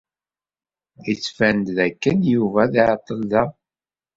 Yettban-d dakken Yuba ad iɛeṭṭel da.